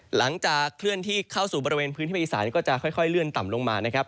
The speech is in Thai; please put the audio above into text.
หลังจากเคลื่อนที่เข้าสู่บริเวณพื้นที่ภาคอีสานก็จะค่อยเลื่อนต่ำลงมานะครับ